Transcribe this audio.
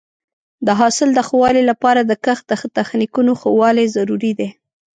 د حاصل د ښه والي لپاره د کښت د تخنیکونو ښه والی ضروري دی.